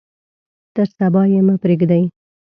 تر صبا یې مه پریږدئ.